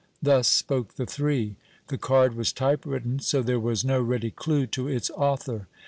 Thus spoke the three. The card was typewritten, so there was no ready clue to its author.